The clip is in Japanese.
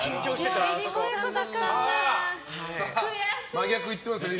真逆言ってますよ。